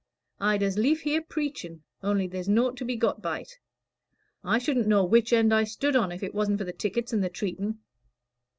I'd as lief hear preaching, on'y there's naught to be got by't. I shouldn't know which end I stood on if it wasn't for the tickets and the treatin'."